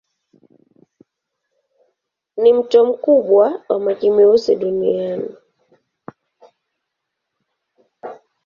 Ni mto mkubwa wa maji meusi duniani.